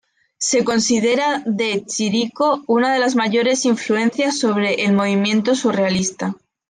Se considera a De Chirico una de las mayores influencias sobre el movimiento surrealista.